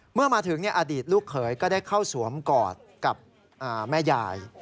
เมื่อมาถึงอดีตลูกเขยก็ได้เข้าสวมกอดกับแม่ยาย